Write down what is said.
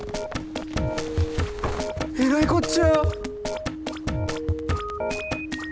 えらいこっちゃ！